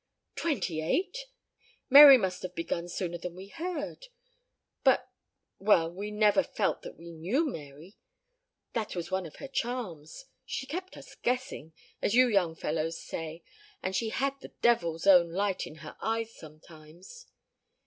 "Twenty eight! Mary must have begun sooner than we heard. But well, we never felt that we knew Mary that was one of her charms. She kept us guessing, as you young fellows say, and she had the devil's own light in her eyes sometimes."